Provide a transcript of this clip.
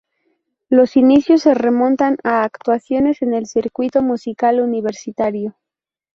Los inicios se remontan a actuaciones en el circuito musical universitario.